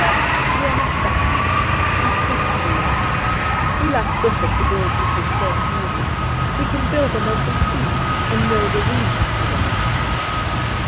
We are not satisfied; we hate to learn; we like better to build little stone houses. We can build them as we please, and know the reason for them.